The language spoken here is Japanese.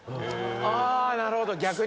あなるほど逆に。